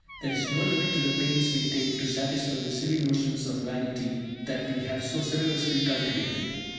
There is no limit to the pains we take to satisfy the silly notions of vanity that we have so sedulously cultivated.